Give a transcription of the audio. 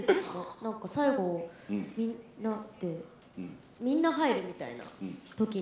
なんか最後、みんなで、みんな入るみたいなときに。